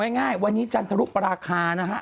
ง่ายวันนี้จันทรุปราคานะฮะ